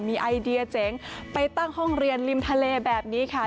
มีไอเดียเจ๋งไปตั้งห้องเรียนริมทะเลแบบนี้ค่ะ